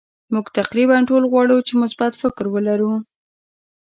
مونږ تقریبا ټول غواړو چې مثبت فکر ولرو.